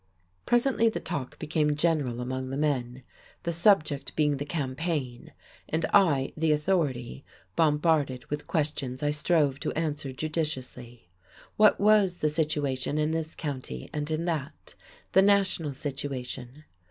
Presently the talk became general among the men, the subject being the campaign, and I the authority, bombarded with questions I strove to answer judicially. What was the situation in this county and in that? the national situation?